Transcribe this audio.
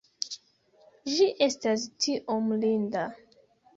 Ĝi estas tiom linda!